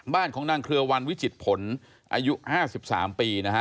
ของนางเครือวันวิจิตผลอายุ๕๓ปีนะฮะ